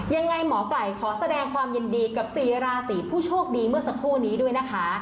ยังไงหมอไก่ขอแสดงความยินดีกับ๔ราศีผู้โชคดีเมื่อสักครู่นี้ด้วยนะคะ